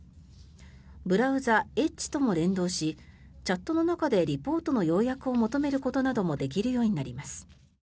ブラウザ、Ｅｄｇｅとも連動しチャットの中でリポートの要約を求めることなどもできるようになります。